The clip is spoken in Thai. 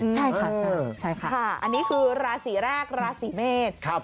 ใช่ค่ะอันนี้คือราศรีแรกราศรีเมฆ